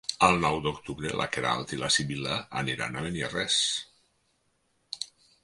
El nou d'octubre na Queralt i na Sibil·la iran a Beniarrés.